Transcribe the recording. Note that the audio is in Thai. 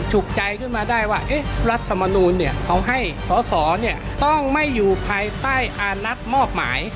จุกใจขึ้นมาได้ว่ารัฐมนูลเขาให้สอสอต้องไม่อยู่ภายใต้อานัดมอบหมาย